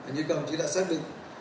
như cầm chỉ đã xác định